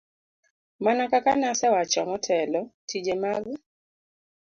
Mana kaka ne asewacho motelo, tije mag